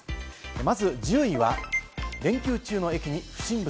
まず１０位は連休中の駅に不審物。